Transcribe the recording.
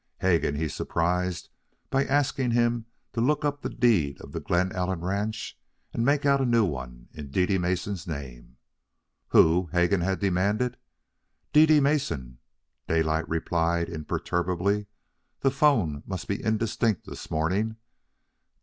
Hegan he surprised by asking him to look up the deed of the Glen Ellen ranch and make out a new one in Dede Mason's name. "Who?" Hegan demanded. "Dede Mason," Daylight replied imperturbably the 'phone must be indistinct this morning.